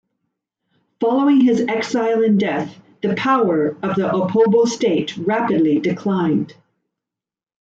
Following his exile and death, the power of the Opobo state rapidly declined.